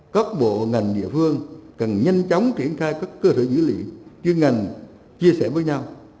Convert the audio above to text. các bộ ngành địa phương cần nhanh chóng triển khai các cơ sở dữ liệu chuyên ngành chia sẻ với nhau